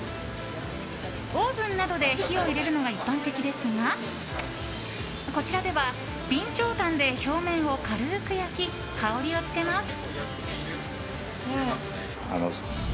オーブンなどで火を入れるのが一般的ですがこちらでは備長炭で表面を軽く焼き香りをつけます。